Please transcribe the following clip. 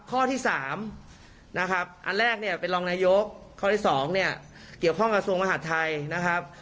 ข้อที่๓นะครับอันแรกเนี่ยเป็นรองนายกข้อที่๒เนี่ยเกี่ยวข้องกระทรวงมหาดไทยนะครับ